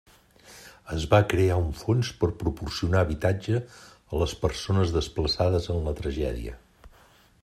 Es va crear un fons per proporcionar habitatge a les persones desplaçades en la tragèdia.